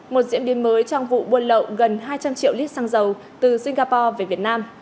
một diễn biến mới trong vụ buôn lậu gần hai trăm linh triệu lít xăng dầu từ singapore về việt nam